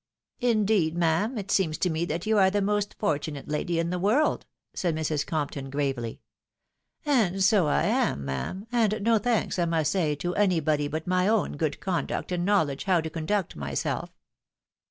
" Indeed, ma'am, it seems to me that you are the most for tunate lady in the world," said Mrs. Compton, gravely. " And so I am, ma'am, and no thanks, I must say, to any body but my own good conduct and knowledge how to conduct myself.